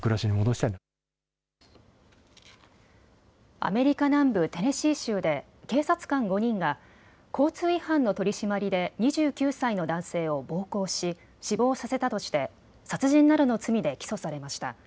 アメリカ南部テネシー州で警察官５人が交通違反の取締りで２９歳の男性を暴行し死亡させたとして殺人などの罪で起訴されました。